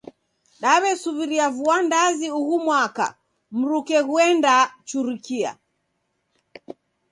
Daw'esuw'iria vua ndazi ughu mwaka, mruke ghuenda churikia.